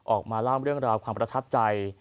ออกมาเล่าเรื่องราวความประทับใจ